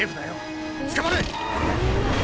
つかまれ！